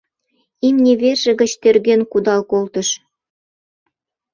Имне верже гыч тӧрген кудал колтыш.